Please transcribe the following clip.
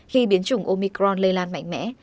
khi biến chủng omicron lây lan mạnh mẽ